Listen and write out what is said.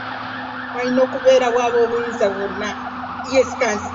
Walina okubeerawo aboobuyinza bonna.